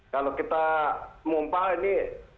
kalau kita mumpah ini